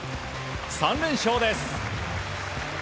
３連勝です！